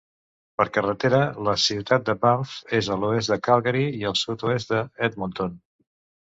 Per carretera, la ciutat de Banff és a l'oest de Calgary i al sud-oest d'Edmonton.